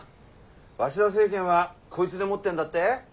鷲田政権はこいつでもってんだって。